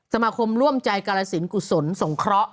สมาคมร่วมใจกรสินกุศลสงเคราะห์